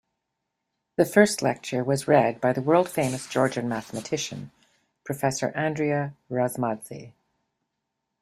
The first lecture was read by the world-famous Georgian mathematician Professor Andria Razmadze.